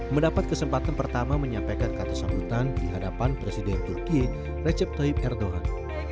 mendapat kesempatan pertama menyampaikan kata sambutan dihadapan presiden turkiye recep tayyip erdogan